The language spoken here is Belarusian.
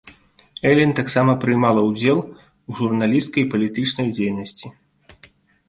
Элен таксама прымала ўдзел у журналісцкай і палітычнай дзейнасці.